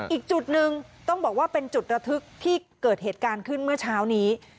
อีกจุดหนึ่งต้องบอกว่าเป็นจุดระทึกที่เกิดเหตุการณ์ขึ้นเมื่อเช้านี้